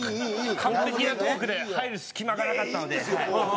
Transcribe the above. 完璧なトークで入る隙間がなかったので。